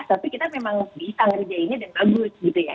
tapi kita memang bisa ngerjainnya dan bagus gitu ya